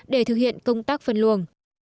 để thực hiện công tác phân luồng